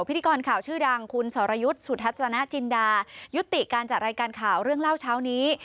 พิธีกรข่าวชื่อดังคุณสรยุทธ์สุทัศนจินดายุติการจัดรายการข่าวเรื่องเล่าเช้านี้